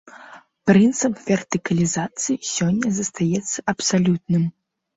Прынцып вертыкалізацыі сёння застаецца абсалютным.